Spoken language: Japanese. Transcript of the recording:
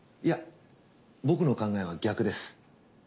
いや僕の考えは逆です。